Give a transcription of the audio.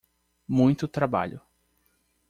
Muito trabalho